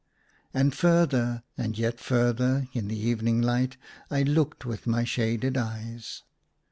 And, further and yet further, in the evening light, I looked with my shaded eyes.